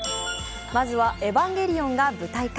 まずは「エヴァンゲリオン」が舞台化。